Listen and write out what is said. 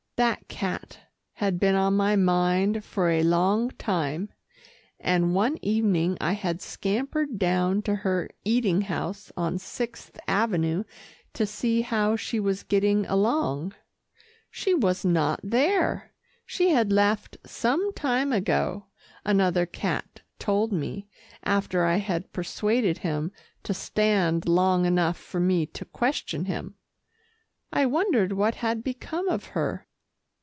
That cat had been on my mind for a long time, and one evening I had scampered down to her eating house on Sixth Avenue to see how she was getting along. She was not there. She had left some time ago, another cat told me, after I had persuaded him to stand long enough for me to question him. I wondered what had become of her.